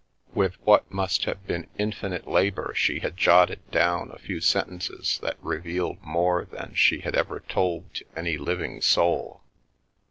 With what must have The Milky Way been infinite labour she had jotted down a few sentences that revealed more than she had ever told to any living soul.